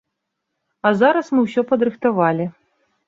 А зараз мы ўсё падрыхтавалі.